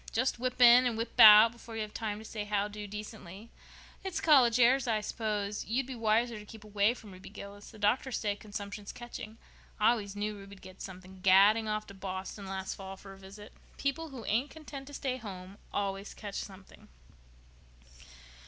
"Just whip in and whip out before you have time to say how do decently. It's college airs, I s'pose. You'd be wiser to keep away from Ruby Gillis. The doctors say consumption's catching. I always knew Ruby'd get something, gadding off to Boston last fall for a visit. People who ain't content to stay home always catch something."